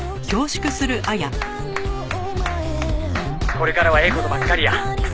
「これからはええ事ばっかりや」